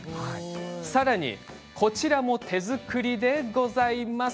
さらにこちらも手作りでございます。